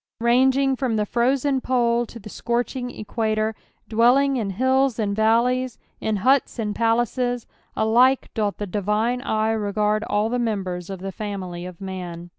Ranging from the frozen pole to the scorching equator, dwelling in hilTs and valleys, in huts and palaces, alike doth the divine eye regard all the members of the family of man.